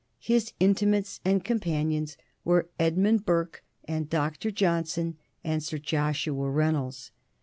His intimates and companions were Edmund Burke, and Dr. Johnson, and Sir Joshua Reynolds.